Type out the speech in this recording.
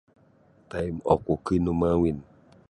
Taim oku kinumawin.